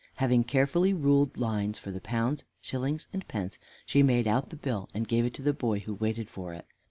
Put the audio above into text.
Having carefully ruled lines for the pounds, shillings and pence, she made out the bill and gave it to the boy who waited for it.